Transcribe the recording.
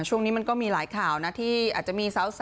ช่วงนี้มันก็มีหลายข่าวนะที่อาจจะมีสาว